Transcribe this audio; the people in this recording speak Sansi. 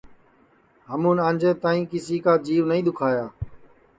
ہمون انجے تائی کسی کا جیو نائی دُؔکھایا